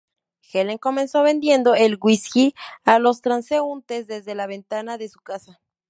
Helen comenzó vendiendo el whisky a los transeúntes desde la ventana de su casa.